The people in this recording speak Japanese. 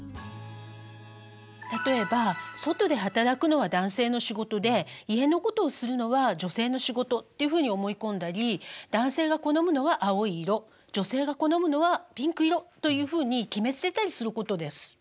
例えば外で働くのは男性の仕事で家のことをするのは女性の仕事っていうふうに思い込んだり男性が好むのは青い色女性が好むのはピンク色というふうに決めつけたりすることです。